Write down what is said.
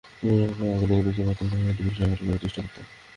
ঘুণাক্ষরেও আগে যদি বুঝতে পারতাম, তাহলে হয়তো বিষয়টা আড়াল করার চেষ্টা করতাম।